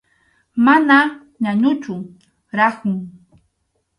Mana ñañuchu, rakhun.